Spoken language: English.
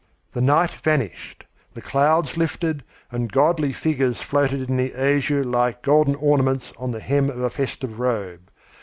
The night vanished. The clouds lifted, and godly figures floated in the azure like golden ornaments on the hem of a festive robe.